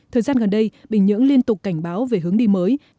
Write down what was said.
thời gian gần đây bình nhưỡng liên tục cảnh báo về hướng đi mới